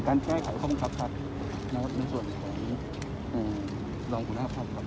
การแก้ไขข้องขับพัดในส่วนอืมลองผู้น่าพัดครับ